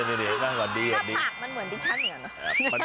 นี่หน้าผักมันเหมือนดิฉันเหมือนกันนะ